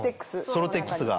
ソロテックスが。